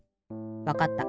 わかった。